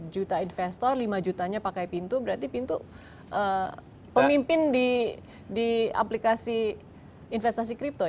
dua puluh juta investor lima jutanya pakai pintu berarti pintu pemimpin di aplikasi investasi kripto ya